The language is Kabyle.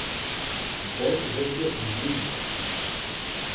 Dan d argaz n Linda.